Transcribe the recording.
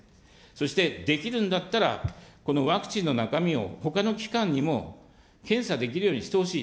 そしてできるんだったら、このワクチンの中身を、ほかの機関にも検査できるようにしてほしい。